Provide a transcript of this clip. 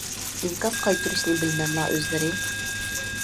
ئىنكاس قايتۇرۇشنى بىلمەملا ئۆزلىرى؟